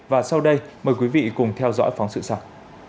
và sau đây mời quý vị cùng theo dõi phóng sự sau